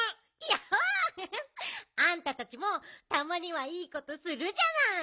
やっほ！あんたたちもたまにはいいことするじゃない！